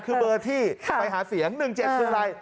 คือเบอร์ที่ไปหาเสียง๑๗คืออะไร